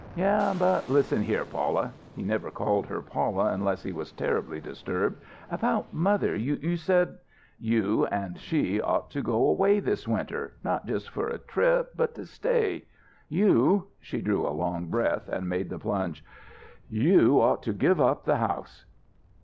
"Yeh, but listen here, Paula." He never called her Paula unless he was terribly disturbed. "About mother you said " "You and she ought to go away this winter not just for a trip, but to stay. You" she drew a long breath and made the plunge "you ought to give up the house."